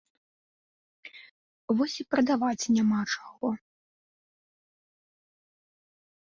Вось і прадаваць няма чаго.